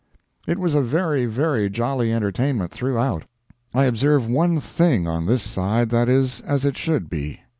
It was a very, very jolly entertainment throughout. I observe one thing on this side that is as it should be.